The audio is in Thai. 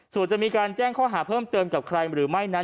ส่วนจะมีการแจ้งข้อหาเพิ่มเติมกับใครหรือไม่นั้น